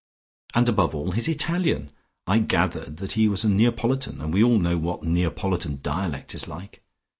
And above all, his Italian! I gathered that he was a Neapolitan, and we all know what Neapolitan dialect is like.